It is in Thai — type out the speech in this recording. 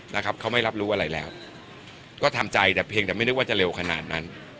นะครับเขาไม่รับรู้อะไรแล้วก็ทำใจแต่เพียงแต่ไม่นึกว่าจะเร็วขนาดนั้น